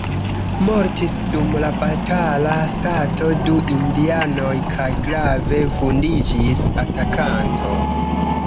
Mortis dum la batala stato du indianoj kaj grave vundiĝis atakanto.